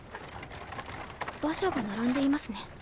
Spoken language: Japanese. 馬車が並んでいますね。